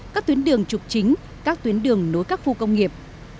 các tuyến đường trục chính các tuyến đường nối các khu công nghiệp